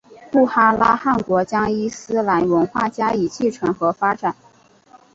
布哈拉汗国将伊斯兰文化加以继承和发展。